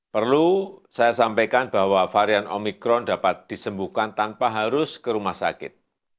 perlu saya sampaikan bahwa varian omikron dapat disembuhkan tanpa harus ke rumah sakit